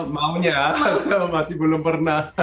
maunya masih belum pernah